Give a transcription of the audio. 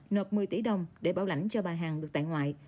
nộp một mươi tỷ đồng để bảo lãnh cho bà hằng được tại ngoại